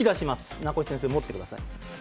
名越先生、持ってください。